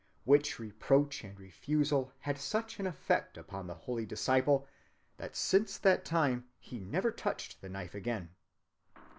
Which reproach and refusal had such an effect upon the holy disciple that since that time he never touched the knife again."